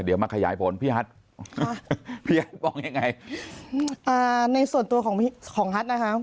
เดี๋ยวมาขยายผลพี่ฮัทพี่ฮัทบอกยังไงอ่าในส่วนตัวของของฮัทนะคะ